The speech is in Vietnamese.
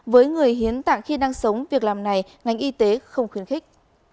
với người hiến tạng khi đang sống việc làm này ngành y tế không khuyến khích